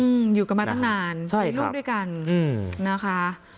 อืมอยู่กันมาตั้งนานใช่มีลูกด้วยกันอืมนะคะ